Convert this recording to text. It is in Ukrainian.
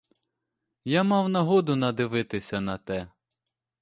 Я мав нагоду надивитися на те.